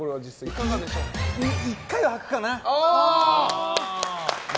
１回は履くかな。